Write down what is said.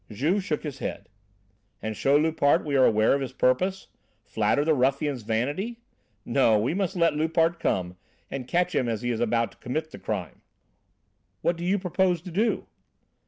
Juve shook his head. "And show Loupart we are aware of his purpose? Flatter the ruffian's vanity? No, we must let Loupart come, and catch him as he is about to commit the crime." "What do you propose to do?"